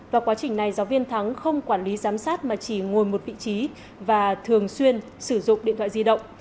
vào quá trình này giáo viên thắng không quản lý giám sát mà chỉ ngồi một vị trí và thường xuyên sử dụng điện thoại di động